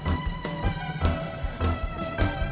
pak ustad rwt kabur menghilang rang sobri